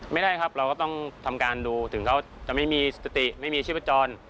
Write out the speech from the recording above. ไม่ได้ครับเราก็ต้องทำการดูถึงเขาจะไม่มีสติไม่มีชีพจร